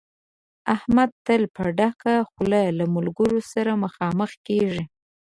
احمد تل په ډکه خوله له ملګرو سره مخامخ کېږي.